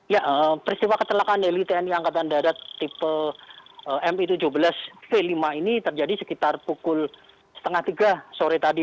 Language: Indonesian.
ya peristiwa kecelakaan heli tni angkatan darat tipe mi tujuh belas v lima ini terjadi sekitar pukul setengah tiga sore tadi